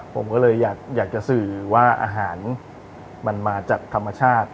ผมก็เลยอยากจะสื่อว่าอาหารมันมาจากธรรมชาติ